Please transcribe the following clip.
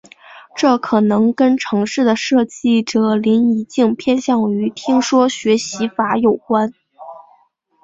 这可能跟程式的设计者林宜敬偏向于听说学习法有关。